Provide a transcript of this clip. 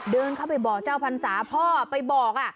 เดินเข้าไปบอกเจ้าพรรษาพ่อไปบอก